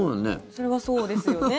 それはそうですよね。